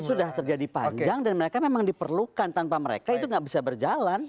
sudah terjadi panjang dan mereka memang diperlukan tanpa mereka itu tidak bisa berjalan